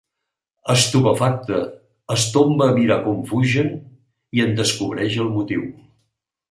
Estupefacte, es tomba a mirar com fugen i en descobreix el motiu.